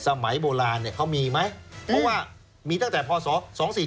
สมัยโบราณเนี่ยเขามีไหมเพราะว่ามีตั้งแต่พศ๒๔๔